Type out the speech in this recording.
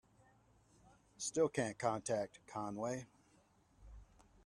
Still can't contact Conway.